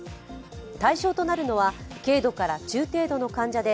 対象となるのは軽度から中程度の患者で